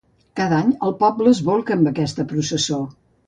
Cada any, el poble es bolca amb aquesta processó.